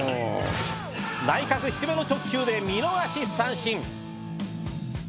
内角低めの直球で見逃し三振。